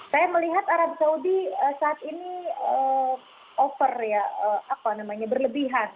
saya melihat arab saudi saat ini over ya apa namanya berlebihan